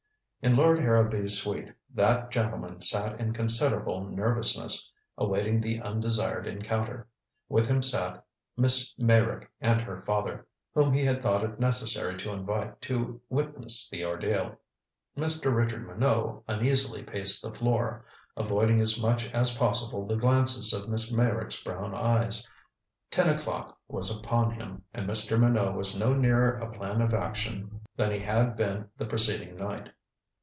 In Lord Harrowby's suite that gentleman sat in considerable nervousness, awaiting the undesired encounter. With him sat Miss Meyrick and her father, whom he had thought it necessary to invite to witness the ordeal. Mr. Richard Minot uneasily paced the floor, avoiding as much as possible the glances of Miss Meyrick's brown eyes. Ten o'clock was upon him, and Mr. Minot was no nearer a plan of action than he had been the preceding night.